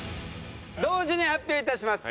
同時に発表致します。